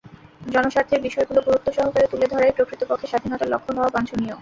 জনস্বার্থের বিষয়গুলো গুরুত্ব সহকারে তুলে ধরাই প্রকৃতপক্ষে স্বাধীনতার লক্ষ্য হওয়া বাঞ্ছনীয়।